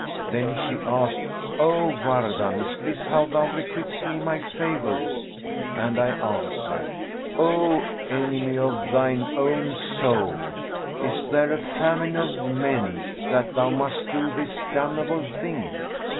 Then she asked, 'O Wardan, is this how thou requites me my favours?' And I answered, 'O enemy of thine own soul, is there a famine of men[FN#433] that thou must do this damnable thing?'